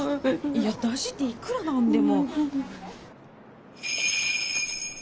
いや「なし」っていくらなんでも。